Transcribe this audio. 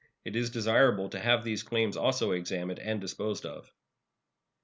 It is desirable to have these claims also examined and disposed of.